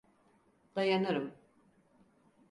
Dayanırım.